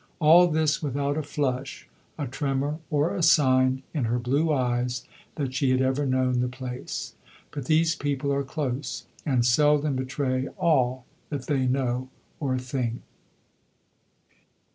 All this without a flush, a tremor or a sign in her blue eyes that she had ever known the place. But these people are close, and seldom betray all that they know or think.